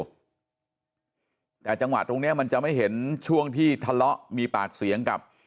แต่จังหวะตรงเนี้ยมันจะไม่เห็นช่วงที่ทะเลาะมีปากเสียงกับ